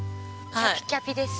キャピキャピです。